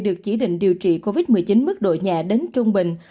được chỉ định điều trị covid một mươi chín mức độ nhà đến trung bình